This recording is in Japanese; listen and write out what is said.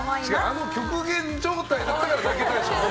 あの極限状態だから泣けたんでしょ。